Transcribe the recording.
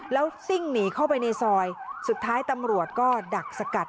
แล้วซิ่งหนีเข้าไปในซอยสุดท้ายตำรวจก็ดักสกัด